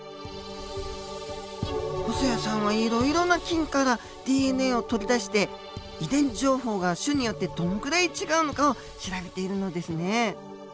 細矢さんはいろいろな菌からＤＮＡを取り出して遺伝情報が種によってどのくらい違うのかを調べているのですね。